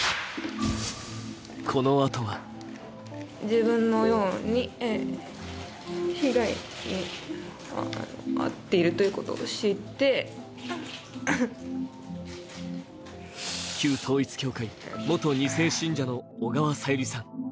このあとは旧統一教会元２世信者の小川さゆりさん。